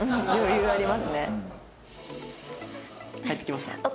帰ってきました。